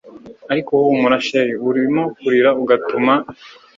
ariko humura chr urimo kurira ugatuma